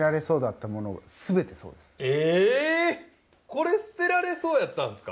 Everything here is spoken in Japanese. これ捨てられそうやったんですか。